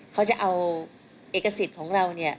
เขาจะเอาเอกสิทธิ์ของเราเนี่ย